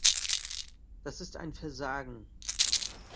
Das ist ein Versagen.